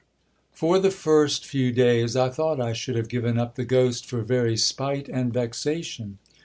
For the first few days I thought I should have given up the ghost for very spite and vexation.